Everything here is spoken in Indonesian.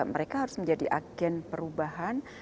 mereka harus menjadi agen perubahan